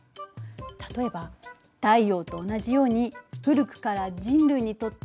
例えば太陽と同じように古くから人類にとって身近な。